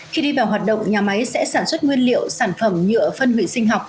khi đi vào hoạt động nhà máy sẽ sản xuất nguyên liệu sản phẩm nhựa phân hủy sinh học